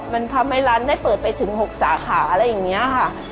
มันทำให้ร้านได้เปิดไปถึง๖สาขาอะไรอย่างนี้ค่ะ